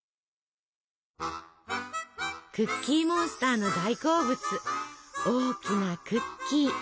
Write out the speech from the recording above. クッキーモンスターの大好物大きなクッキー。